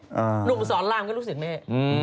หนุ่มสอนรามก็เป็นลูกสิทธิ์แม่